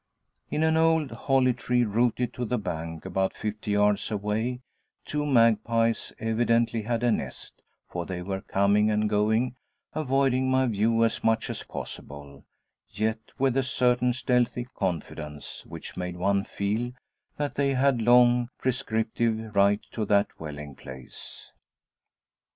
In an old holly tree rooted to the bank about fifty yards away, two magpies evidently had a nest, for they were coming and going, avoiding my view as much as possible, yet with a certain stealthy confidence which made one feel that they had long prescriptive right to that dwelling place.